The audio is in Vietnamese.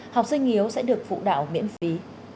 học sinh yếu sẽ được phụ đạo miễn phí